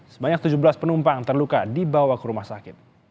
sebanyak tujuh belas penumpang terluka dibawa ke rumah sakit